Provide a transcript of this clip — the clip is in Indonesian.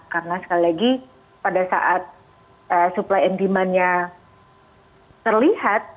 karena sekali lagi pada saat suplai and demand nya terlihat